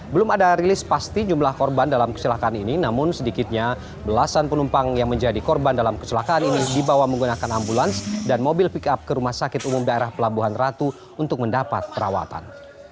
belum ada rilis pasti jumlah korban dalam kecelakaan ini namun sedikitnya belasan penumpang yang menjadi korban dalam kecelakaan ini dibawa menggunakan ambulans dan mobil pick up ke rumah sakit umum daerah pelabuhan ratu untuk mendapat perawatan